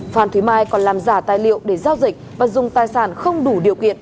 phan thế mai còn làm giả tài liệu để giao dịch và dùng tài sản không đủ điều kiện